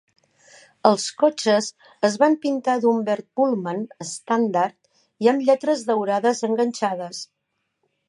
Els cotxes es van pintar d'un verd Pullman estàndard i amb lletres daurades enganxades.